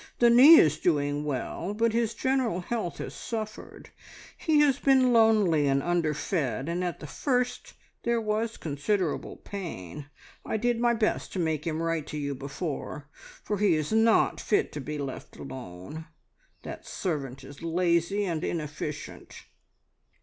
The knee is doing well, but his general health has suffered. He has been lonely and underfed, and at the first there was considerable pain. I did my best to make him write to you before, for he is not fit to be left alone. That servant is lazy and inefficient."